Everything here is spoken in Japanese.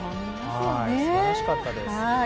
素晴らしかったです。